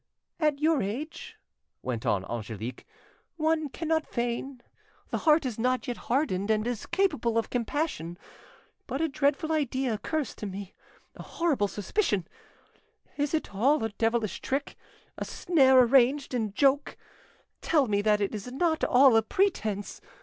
"At your age," went on Angelique, "one cannot feign—the heart is not yet hardened, and is capable of compassion. But a dreadful idea occurs to me—a horrible suspicion! Is it all a devilish trick—a snare arranged in joke? Tell me that it is not all a pretence!